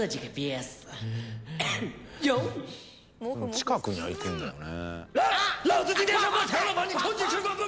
近くには行くんだよね。